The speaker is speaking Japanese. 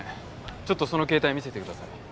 ちょっとその携帯見せてください。